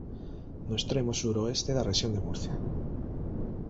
No extremo suroeste da rexión de Murcia.